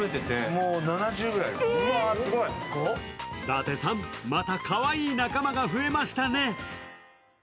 伊達さん、またかわいい仲間が増えましたね。